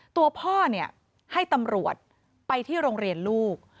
ตัวพ่อให้ตำรวจไปที่โรงเรียนลูก